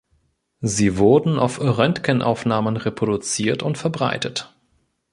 Sie wurden auf Röntgenaufnahmen reproduziert und verbreitet.